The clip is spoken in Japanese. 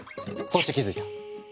そして気付いた。